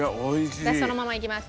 私そのままいきます。